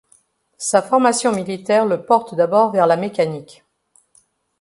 Sa formation militaire le porte d'abord vers la mécanique.